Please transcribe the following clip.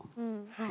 はい！